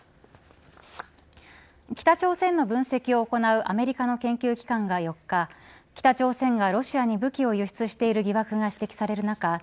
北朝鮮の分析を行うアメリカの研究機関が４日北朝鮮がロシアに武器を輸出している疑惑が指摘される中